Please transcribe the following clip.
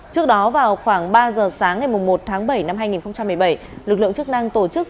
trước đó vào khoảng ba giờ sáng ngày một tháng bảy năm hai nghìn một mươi bảy lực lượng chức năng tổ chức